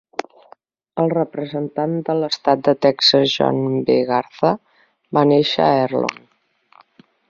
El representant de l'estat de Texas John V. Garza va néixer a Herlong.